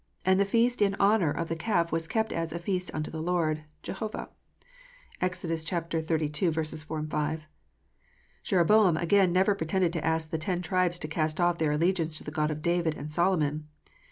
And the feast in honour of the calf was kept as " a feast unto the Lord " (Jehovah). (Exodus xxxii. 4, 5.) Jeroboam, again, never pretended to ask the ten tribes to cast off their allegiance to the God of David and Solomon.